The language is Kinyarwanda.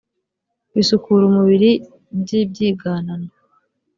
bisukura umubiri by ibyiganano